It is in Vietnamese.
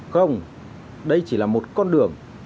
không đây chỉ là một con đường